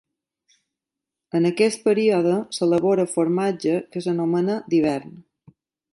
En aquest període s'elabora formatge que s'anomena d'hivern.